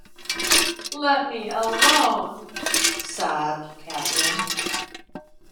'Let me alone,’ sobbed Catherine.